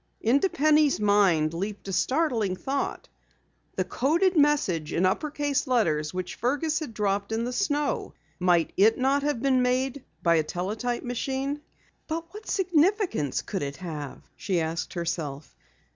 Into Penny's mind leaped a startling thought. The coded message in upper case letters which Fergus had dropped in the snow! Might it not have been printed by a teletype machine? "But what significance could it have?" she asked herself.